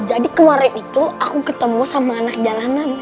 jadi kemarin itu aku ketemu sama anak jalanan